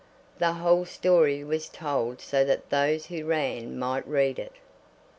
The whole story was told so that those who ran might read it.